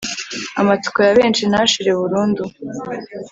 amatsiko ya benshi ntashire burundu